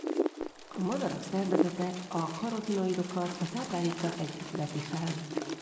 A madarak szervezete a karotinoidokat a táplálékkal együtt veszi fel.